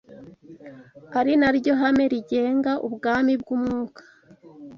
ari na ryo hame rigenga ubwami bw’umwuka